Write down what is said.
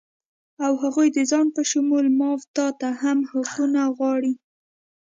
او هغوی د ځان په شمول ما و تاته هم حقونه غواړي